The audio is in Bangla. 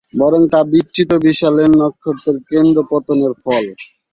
বরং তা বিচ্যুত, বিশাল নক্ষত্রের কেন্দ্র-পতনের ফল।